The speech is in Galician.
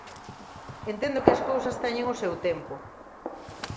Entendo que as cousas teñen o seu tempo.